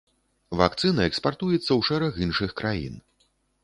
Вакцына экспартуюцца ў шэраг іншых краін.